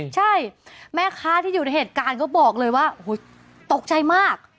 ใช่แม่ค้าที่อยู่ในเหตุการณ์ก็บอกเลยว่าตกใจมาก